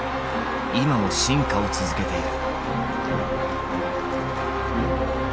今も進化を続けている。